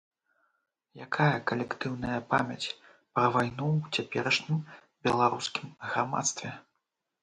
Якая калектыўная памяць пра вайну ў цяперашнім беларускім грамадстве?